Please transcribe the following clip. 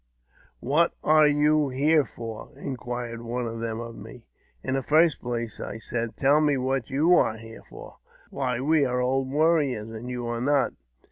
" What are you here for? " inquired one of them of me "In the first place," I said, "tell me what you are h for." " Why we are old w^arriors, and you are not."